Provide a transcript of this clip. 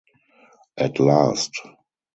At last!